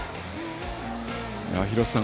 廣瀬さん